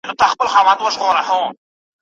ظلم او بې عدالتي حکومت کمزوری کوي.